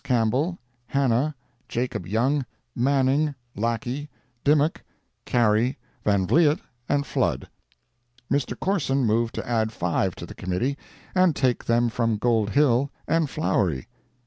Campbell, Hannah, Jacob Young, Manning, Lackey, Dimock, Carey, Van Vliet and Flood. Mr. Corson moved to add five to the committee, and take them from Gold Hill and Flowery.